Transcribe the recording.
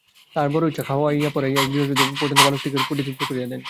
তাঁহার বড়ো ইচ্ছা, খাওয়াইয়া পরাইয়া এই গৃহচ্যুত পান্থ বালকটিকে পরিতৃপ্ত করিয়া দেন।